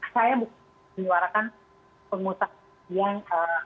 saya menyuarakan pengusaha yang